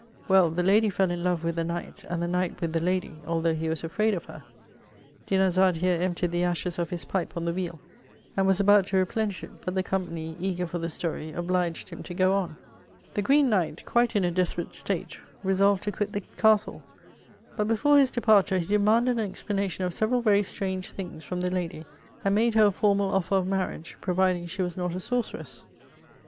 Well, the lady fell in love with the knight, and the knight with the lady, although he was «&aid of her." Dinarzade here emptied the ashes of his pipe on the wheel, and was about to replenish it, but the company, eager for the story, obliged him to go on. ^< The Green Knight, quite in a desperate state, resolved to quit the castle ; but before his departure he demanded an ex planation of several very strange things from the lady, and made her a formal offer of marriage, providing she was not a sorceress."